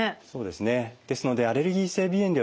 ですのでアレルギー性鼻炎ではですね